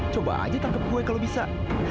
coba aja tangkep gue kalau bisa